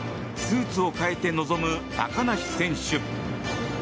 スーツを替えて臨む高梨選手。